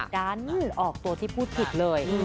ดันออกตัวที่พูดผิดเลย